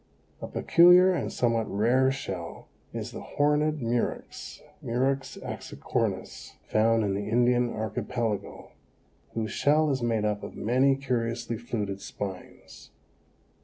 A peculiar and somewhat rare shell is the Horned Murex (Murex axicornis), found in the Indian Archipelago, whose shell is made up of many curiously fluted spines.